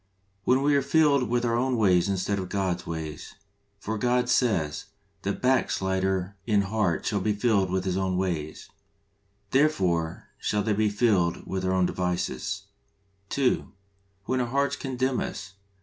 When we are filled with our own ways instead of God's ways. For God says :" The backslider in heart shall be filled with his own ways" {Prov, xiv. 14). "Therefore shall they be filled with their own devices" {Prov. i. 31). (2.) When our hearts condemn us.